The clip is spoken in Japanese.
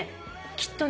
きっとね